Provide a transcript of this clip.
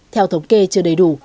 theo thống kê chưa đầy đủ